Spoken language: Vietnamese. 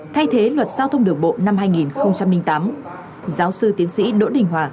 thay thế luật giao thông đường bộ năm hai nghìn tám giáo sư tiến sĩ đỗ đình hòa